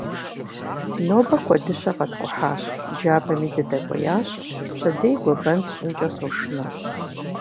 Нобэ куэдыщэ къэткӏухьащ, джабэми дыдэкӏуеящ, пщэдей гуэбэн сщӏынкӏэ сошынэ.